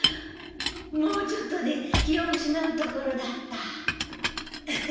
もうちょっとで気をうしなうところだった。